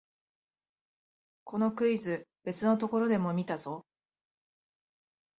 このクイズ、別のところでも見たぞ